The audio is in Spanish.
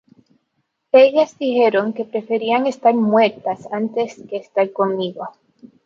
Ellas dijeron que preferían estar muertas antes que estar conmigo.